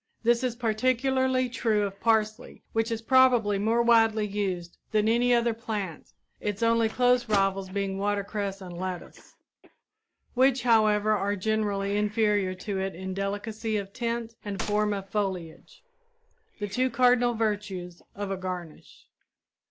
This is particularly true of parsley, which is probably more widely used than any other plant, its only close rivals being watercress and lettuce, which, however, are generally inferior to it in delicacy of tint and form of foliage, the two cardinal virtues of a garnish.